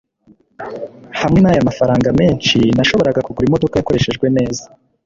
hamwe naya mafranga menshi, nashoboraga kugura imodoka yakoreshejwe neza